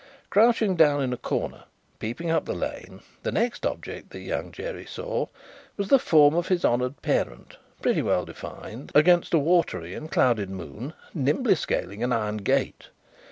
Crouching down in a corner, peeping up the lane, the next object that Young Jerry saw, was the form of his honoured parent, pretty well defined against a watery and clouded moon, nimbly scaling an iron gate.